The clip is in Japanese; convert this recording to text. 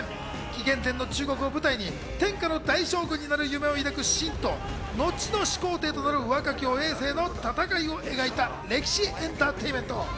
紀元前の中国を舞台に天下の大将軍になる夢を抱く信と、後の始皇帝となる若き王・エイ政の戦いを描いた歴史エンターテインメント。